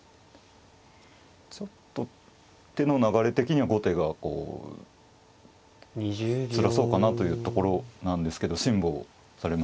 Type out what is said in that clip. ちょっと手の流れ的には後手がこうつらそうかなというところなんですけど辛抱されましたね。